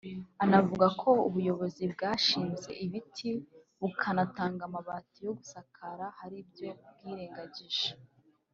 anavuga ko ubuyobozi bwashinze ibiti bukanatanga amabati yo gusakara hari ibyo bwirengagije